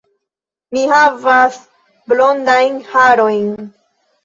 Mi havas blondajn harojn.